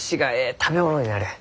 食べ物になる。